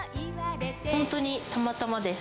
本当にたまたまです。